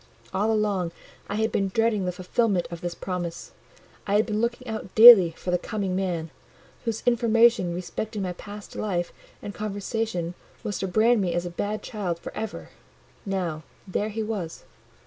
All along I had been dreading the fulfilment of this promise,—I had been looking out daily for the "Coming Man," whose information respecting my past life and conversation was to brand me as a bad child for ever: now there he was.